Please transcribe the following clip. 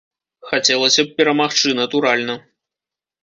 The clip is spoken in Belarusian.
Хацелася б перамагчы, натуральна.